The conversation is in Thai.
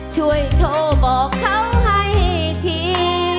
ช่วยโทรบอกเขาให้ที